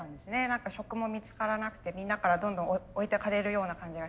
何か職も見つからなくてみんなからどんどん置いてかれるような感じがして。